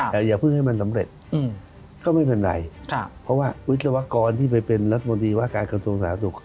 แต่อย่าเพิ่งให้มันสำเร็จก็ไม่เป็นไรเพราะว่าวิศวกรที่ไปเป็นรัฐมนตรีว่าการกระทรวงสาธารณสุข